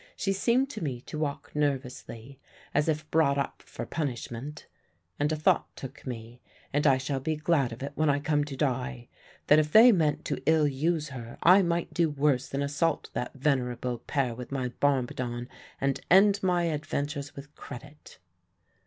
She seemed to me to walk nervously, as if brought up for punishment; and a thought took me and I shall be glad of it when I come to die that if they meant to ill use her I might do worse than assault that venerable pair with my bombardon and end my adventures with credit.